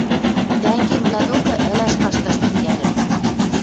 тӓнгемвлӓ докы ӹлӓш кашташ тӹнгӓльӹм